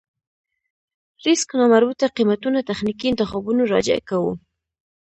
ريسک نامربوطه قېمتونه تخنيکي انتخابونو راجع کوو.